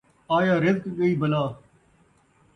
آیا رزق، ڳئی بلا